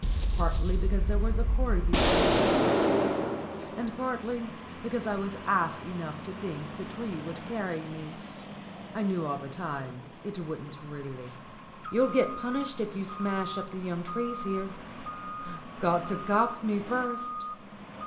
"Partly because there was a corby's nest at the top, and partly because I was ass enough to think the tree would carry me. I knew all the time it wouldn't really." "You'll get punished if you smash up the young trees here." "Got to cop me first."